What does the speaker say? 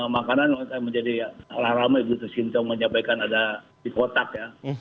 makanan yang saya mencari menjadi halal ramai begitu sintayong menyampaikan ada di kotak ya